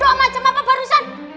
doa macam apa barusan